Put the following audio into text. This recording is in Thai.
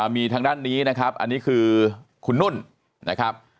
มีทางด้านนี้นะครับอันนี้คือคุณนุ่นนะครับ